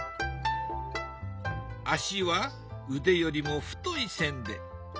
足は腕よりも太い線で。